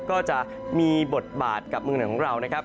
ก็จะมีบทบาทกับเมืองไหนของเรานะครับ